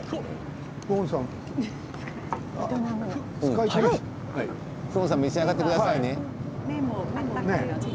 フオンさん召し上がってくださいね。